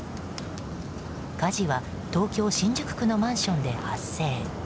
火事は東京・新宿区のマンションで発生。